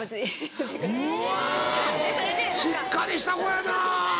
うわしっかりした子やな。